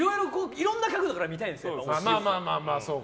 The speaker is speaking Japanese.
いろんな角度から見たいんですよ。